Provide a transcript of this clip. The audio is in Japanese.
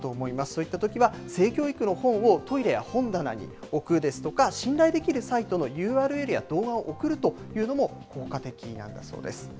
そういったときは、性教育の本をトイレや本棚に置くですとか、信頼できるサイトのＵＲＬやどうがをおくるというのも効果的なんだそうです。